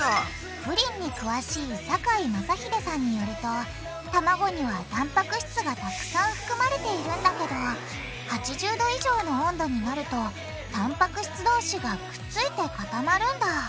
プリンに詳しい酒井雅秀さんによるとたまごにはたんぱく質がたくさん含まれているんだけど８０℃以上の温度になるとたんぱく質どうしがくっついて固まるんだうん。